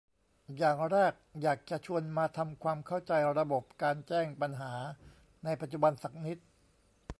อย่างแรกอยากจะชวนมาทำความเข้าใจระบบการแจ้งปัญหาในปัจจุบันสักนิด